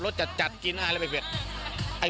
เรากินอาหารแบบรสจัด